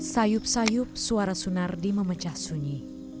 sayup sayup suara sunardi memecah sunyi